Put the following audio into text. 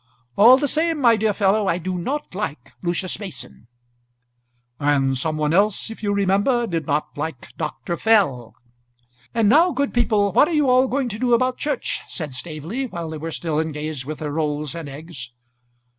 "All the same, my dear fellow, I do not like Lucius Mason." "And some one else, if you remember, did not like Dr. Fell." "And now, good people, what are you all going to do about church?" said Staveley, while they were still engaged with their rolls and eggs.